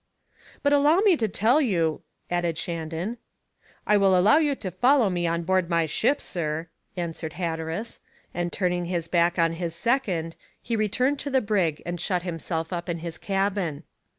"But allow me to tell you " added Shandon. "I will allow you to follow me on board my ship, sir," answered Hatteras, and turning his back on his second, he returned to the brig and shut himself up in his cabin.